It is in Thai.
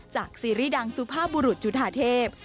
จากสีรีส์ดังสุภาพบุรุษจุฐเทพ